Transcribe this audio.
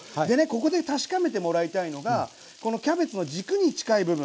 ここで確かめてもらいたいのがこのキャベツの軸に近い部分。